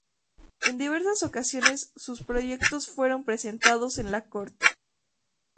En diversas ocasiones sus proyectos fueron presentados en la corte.